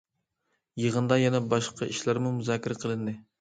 يىغىندا يەنە باشقا ئىشلارمۇ مۇزاكىرە قىلىندى.